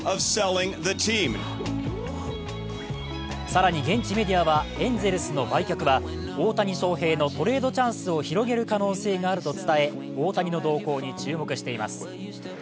更に現地メディアはエンゼルスの売却は大谷翔平のトレードチャンスを広げる可能性があると伝え大谷の動向に注目しています。